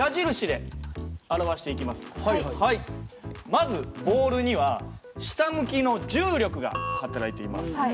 まずボールには下向きの重力が働いています。